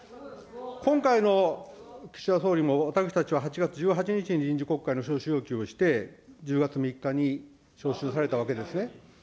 今回の岸田総理も私たちは８月１８日に臨時国会の召集要求をして、１０月３日に召集されたわけですね。